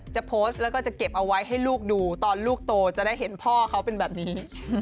จะโพสต์แล้วก็จะเก็บเอาไว้ให้ลูกดูตอนลูกโตจะได้เห็นพ่อเขาเป็นแบบนี้